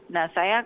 nah saya kemudian